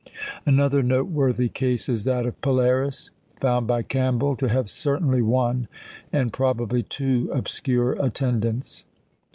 Another noteworthy case is that of Polaris, found by Campbell to have certainly one, and probably two obscure attendants.